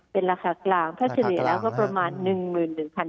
เป็นราคากลางแพทย์เสรียเราก็ประมาณ๑๑๐๐๐บาท